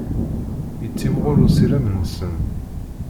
Yettimɣur usirem-nsen.